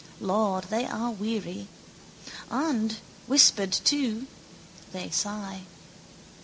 Lord, they are weary; and, whispered to, they sigh.